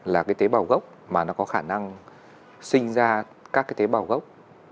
là tế bào gốc mà nó có khả năng sinh ra các tế bào gốc